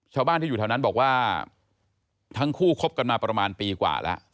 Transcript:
ชาวบ้านที่อยู่แถวนั้นบอกว่าทั้งคู่คบกันมาประมาณปีกว่าแล้ว